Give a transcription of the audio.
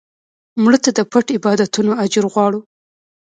مړه ته د پټ عبادتونو اجر غواړو